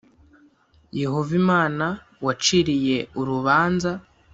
Yehova Imana wayiciriye urubanza